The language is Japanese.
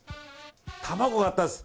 卵があったんです。